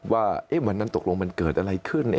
ว่าวันนั้นตกลงมันเกิดอะไรขึ้น